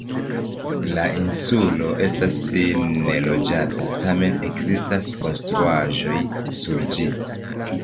La insulo estas neloĝata, tamen ekzistas konstruaĵoj sur ĝi.